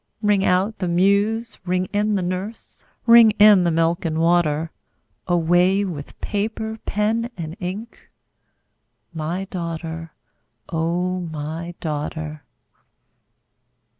Ring out the muse! ring in the nurse! Ring in the milk and water! Away with paper, pen, and ink My daughter, O my daughter!